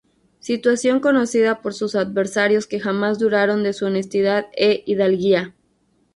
Situación conocida por sus adversarios que jamás dudaron de su honestidad e hidalguía.